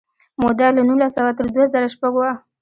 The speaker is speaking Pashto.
موده له نولس سوه تر دوه زره شپږ وه.